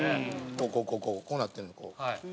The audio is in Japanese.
こうこうこうこうなってんねんこう。